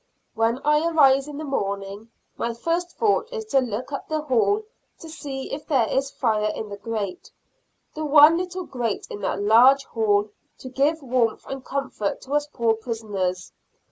When I arise in the morning, my first thought is to look up the hall to see if there is fire in the grate the one little grate in that large hall, to give warmth and comfort to us poor prisoners.